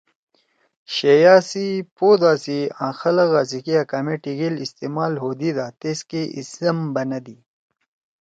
شیئیا سی پودا سی آں خلگا سی کیا کامے ٹِگیل استعمال ہودیِدا تیس کے اسم بنَدی۔